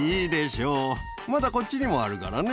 まだこっちにもあるからね。